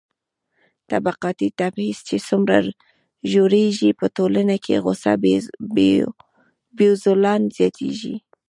طبقاتي تبعيض چې څومره ژورېږي، په ټولنه کې غوسه بېوزلان زياتېږي.